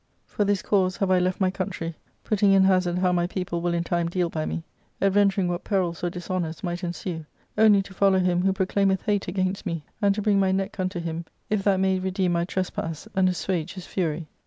For this cause have I left my country, putting in hazard how my people will in time deal by me, adventuring what , perils or .dishonoufs might ensue, only to follow him who proclaimeth hate against me, and to bring my neck untohim, if that may redeem my trespass and assuage his fury.